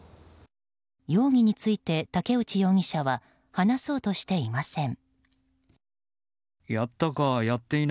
容疑について武内容疑者は話そうとしていません。